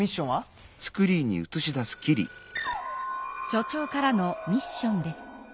所長からのミッションです。